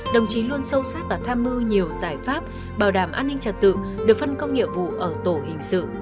đồng chí luôn sâu sát và tham mưu nhiều giải pháp bảo đảm an ninh trật tự được phân công nhiệm vụ ở tổ hình sự